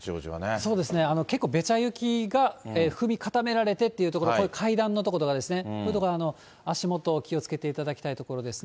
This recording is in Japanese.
そうですね、結構べちゃ雪が踏み固められてというところ、こういう階段の所とかですね、こういう所、足元、気をつけていただきたいところですね。